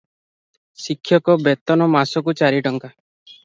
ଶିକ୍ଷକ ବେତନ ମାସକୁ ଚାରି ଟଙ୍କା ।